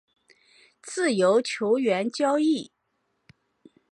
自由球员交易